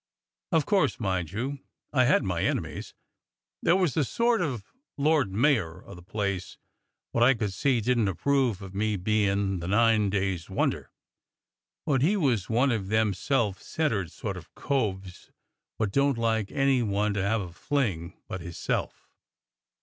O' course, mind you, I had my enemies. There was a sort o' lord mayor o' the place wot I could see didn't quite approve of me bein' the nine days' wonder, but he was one of them self centred sort o' coves wot don't like any one to have a fling but hisself.